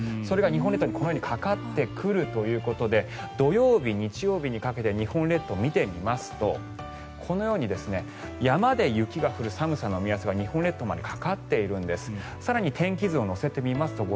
それが日本列島にこのようにかかってくるということで土曜日、日曜日にかけて日本列島を見てみますとこのように山で雪が降る寒さの目安が日本列島にまでかかっているんです。